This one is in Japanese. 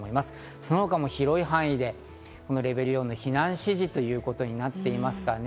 その他も広い範囲でレベル４の避難指示ということになっていますからね。